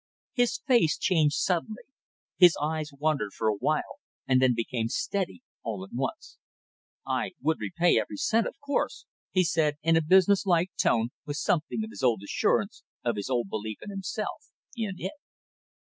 His face changed suddenly. His eyes wandered for awhile and then became steady all at once. "I would repay every cent, of course," he said, in a business like tone, with something of his old assurance, of his old belief in himself, in it.